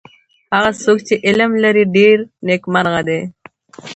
هغه څوک چی علم لري ډېر نیکمرغه دی.